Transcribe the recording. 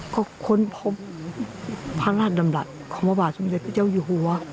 ก็ค้นพบพระราชดำรัฐของพระบาทสมเด็จพระเจ้าอยู่หัว